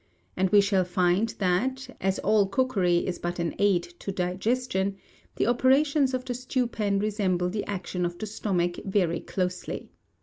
And we shall find that, as all cookery is but an aid to digestion, the operations of the Stewpan resemble the action of the stomach very closely.